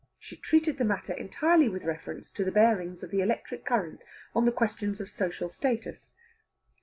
She treated the matter entirely with reference to the bearings of the electric current on questions of social status.